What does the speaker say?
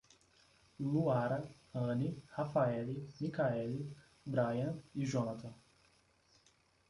Luara, Anny, Rafaele, Mikaele, Braian e Jonatha